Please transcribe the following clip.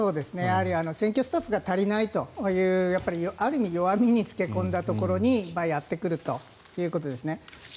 選挙スタッフが足りないというある意味、弱みに付け込んだところにやってくるということですね。